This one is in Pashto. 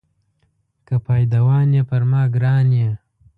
که پایدوان یې پر ما ګران یې.